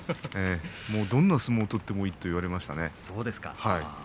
どんな相撲を取ってもいいと言われました。